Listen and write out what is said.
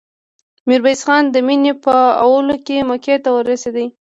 ميرويس خان د مني په اولو کې مکې ته ورسېد.